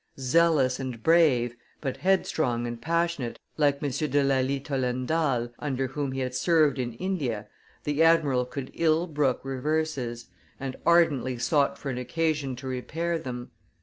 Zealous and brave, but headstrong and passionate, like M. de Lally Tollendal, under whom he had served in India, the admiral could ill brook reverses, and ardently sought for an occasion to repair them.